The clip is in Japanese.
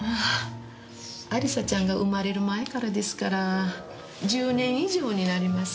亜里沙ちゃんが生まれる前からですから１０年以上になります。